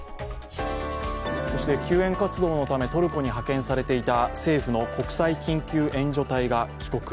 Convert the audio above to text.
救援活動のためトルコに派遣されていた政府の国際緊急援助隊が帰国。